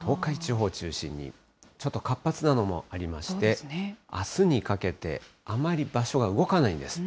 東海地方を中心に、ちょっと活発なのもありまして、あすにかけて、あまり場所が動かないんです。